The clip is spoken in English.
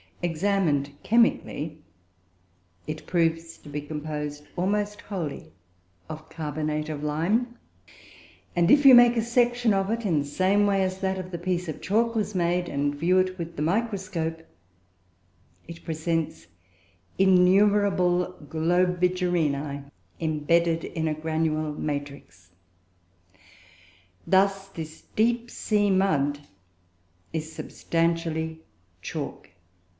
Examined chemically, it proves to be composed almost wholly of carbonate of lime; and if you make a section of it, in the same way as that of the piece of chalk was made, and view it with the microscope, it presents innumerable Globigerinoe embedded in a granular matrix. Thus this deep sea mud is substantially chalk.